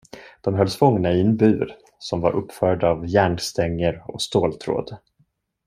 De hölls fångna i en bur, som var uppförd av järnstänger och ståltråd.